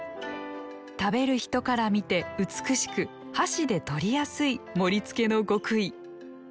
食べる人から見て美しく箸で取りやすい盛り付けの極意。